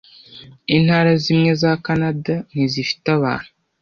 Intara zimwe za Kanada ntizifite abantu.